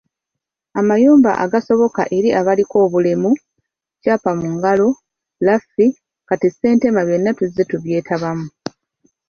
Amayumba agasoboka eri abaliko obulemu, Kyapa mungalo, Lafi, kati Ssentema byonna tuzze tubyetabamu.